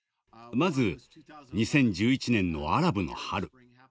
まず、２０１１年のアラブの春。